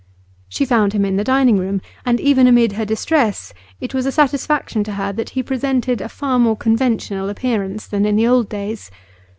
She found him in the dining room, and, even amid her distress, it was a satisfaction to her that he presented a far more conventional appearance than in the old days.